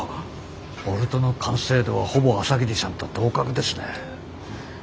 ボルトの完成度はほぼ朝霧さんと同格ですね。